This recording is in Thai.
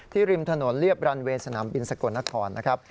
ริมถนนเรียบรันเวย์สนามบินสกลนครนะครับ